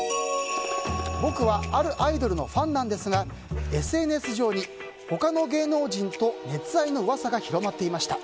僕は、あるアイドルのファンなんですがＳＮＳ上に他の芸能人と熱愛の噂が広がっていました。